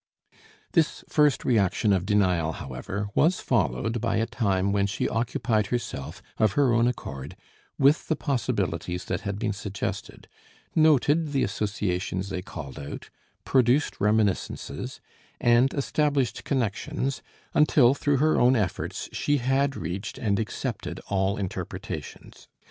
This first reaction of denial, however, was followed by a time when she occupied herself of her own accord with the possibilities that had been suggested, noted the associations they called out, produced reminiscences, and established connections, until through her own efforts she had reached and accepted all interpretations.